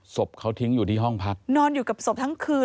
ศพเขาทิ้งอยู่ที่ห้องพักนอนอยู่กับศพทั้งคืน